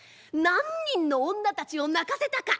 何人の女たちを泣かせたか。